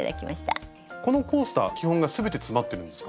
このコースター基本が全て詰まってるんですか？